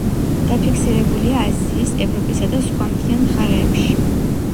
დაფიქსირებულია აზიის, ევროპისა და სხვა მთიან მხარეებში.